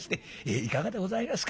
いかがでございますか？